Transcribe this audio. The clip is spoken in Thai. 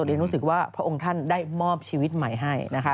เรียนรู้สึกว่าพระองค์ท่านได้มอบชีวิตใหม่ให้นะคะ